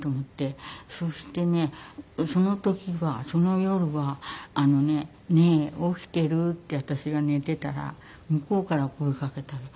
そしてねその時はその夜はあのね「ねえ起きてる？」って私が寝てたら向こうから声かけたの。